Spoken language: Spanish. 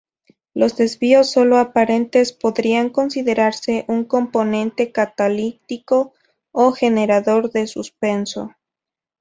Los desvíos, solo aparentes, podrían considerarse un componente catalítico o generador de suspenso.